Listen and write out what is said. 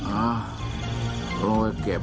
อ้าวต้องไปเก็บ